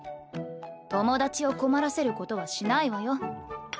友達を困らせることはしないわよ。